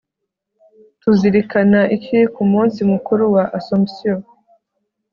tuzirikana iki ku munsi mukuru wa assomption